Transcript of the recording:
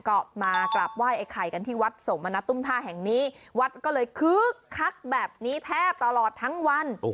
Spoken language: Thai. ก็มากราบไหว้ไอ้ไข่กันที่วัดสมณตุ้มท่าแห่งนี้วัดก็เลยคึกคักแบบนี้แทบตลอดทั้งวัน